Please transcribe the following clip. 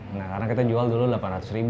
nah karena kita jual dulu rp delapan ratus ribu